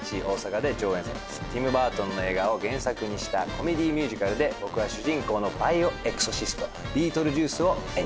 ティム・バートンの映画を原作にしたコメディーミュージカルで僕は主人公のバイオ・エクソシストビートルジュースを演じます。